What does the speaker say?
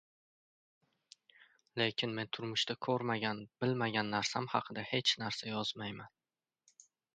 Lekin men turmushda ko‘rmagan, bilmagan narsam haqida hech narsa yozmayman.